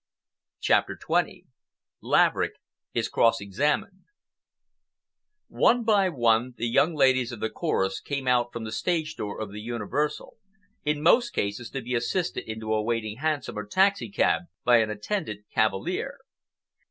CHAPTER XX LAVERICK IS CROSS EXAMINED One by one the young ladies of the chorus came out from the stage door of the Universal, in most cases to be assisted into a waiting hansom or taxicab by an attendant cavalier.